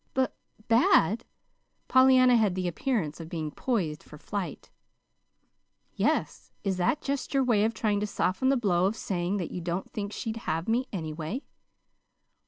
"B bad?" Pollyanna had the appearance of being poised for flight. "Yes. Is that just your way of trying to soften the blow of saying that you don't think she'd have me, anyway?"